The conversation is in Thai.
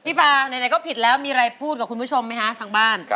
ฟางไหนก็ผิดแล้วมีอะไรพูดกับคุณผู้ชมไหมคะทางบ้าน